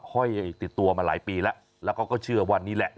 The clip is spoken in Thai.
ห้อยติดตัวมาหลายปีแล้วแล้วเขาก็เชื่อว่านี่แหละ